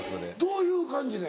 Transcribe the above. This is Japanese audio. どういう感じで？